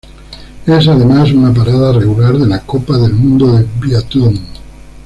Es además una parada regular de la Copa del Mundo de biatlón.